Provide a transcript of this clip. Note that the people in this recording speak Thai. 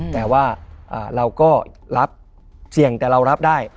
แต่ว่าเราก็รับเสี่ยงแต่เรารับได้